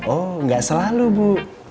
oh gak selalu bu